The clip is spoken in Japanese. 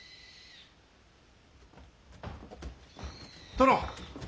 殿。